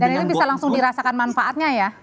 dan ini bisa langsung dirasakan manfaatnya ya